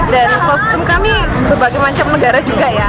dan kostum kami berbagai macam negara juga ya